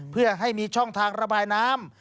เพื่อให้มีช่องทางระบายน้ำ